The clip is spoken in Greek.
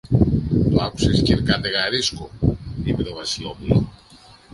Το άκουσες, κυρ-Κατεργαρίσκο; είπε το Βασιλόπουλο.